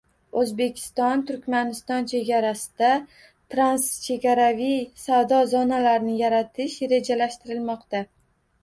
O‘zbekiston—Turkmaniston chegarasida transchegaraviy savdo zonalarini yaratish rejalashtirilmoqda